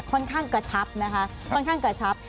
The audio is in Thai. ค่อนข้างกระชับนะครับ